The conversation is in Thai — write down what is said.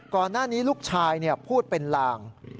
ก่อนหน้านี้ลูกชายพูดเป็นลาง